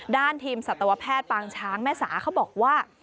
ด้านทีมสัตวแพทย์ปางช้างแม่สาเขาบอกว่า